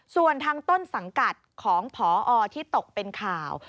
ส่วนทางต้นสังกัดของพอที่ตกเป็นข่าว